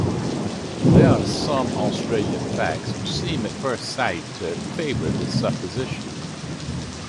There are some Australian facts which seem at first sight to favor this supposition.